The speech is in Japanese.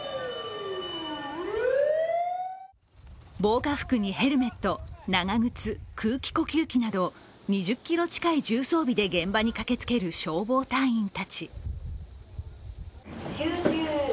防火服にヘルメット、長靴、空気呼吸器など２０ｋｇ近い重装備で現場に駆けつける消防隊員たち。